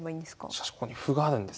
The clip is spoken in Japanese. しかしここに歩があるんですね。